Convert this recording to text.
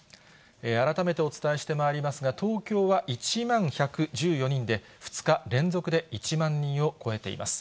改めてお伝えしてまいりますが、東京は１万１１４人で、２日連続で１万人を超えています。